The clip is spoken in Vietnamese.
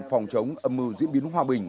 phòng chống âm mưu diễn biến hòa bình